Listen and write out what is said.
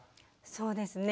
そうですね。